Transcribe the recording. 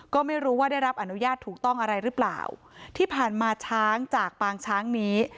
ก็ไม่รู้ว่าได้รับอนุญาตถูกต้องอะไรหรือเปล่าที่ผ่านมาช้างจากปางช้างนี้